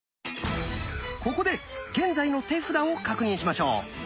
ここで現在の手札を確認しましょう。